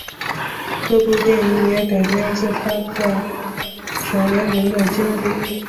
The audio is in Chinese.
这部电影也改编自他在小联盟的经历。